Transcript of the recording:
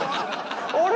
あれ？